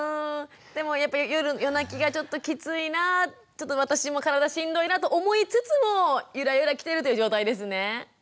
でもやっぱり夜夜泣きがちょっときついなぁちょっと私も体しんどいなと思いつつもゆらゆらきてるという状態ですね。